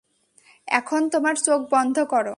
এখন তোমার চোখ বন্ধ কর।